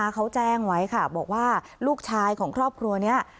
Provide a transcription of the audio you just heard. เขาแจ้งไว้ค่ะบอกว่าลูกชายของครอบครัวนี้